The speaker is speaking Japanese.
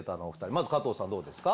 まず加藤さんどうですか？